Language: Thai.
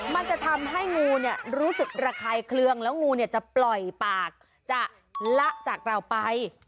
มันจะทำให้งูเนี่ยรู้สึกระคายเครื่องแล้วงูเนี่ยจะปล่อยปากจะละจากเราไป